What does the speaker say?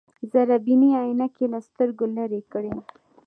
ذره بيني عينکې يې له سترګو لرې کړې.